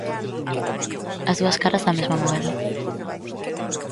As dúas caras da mesma moeda.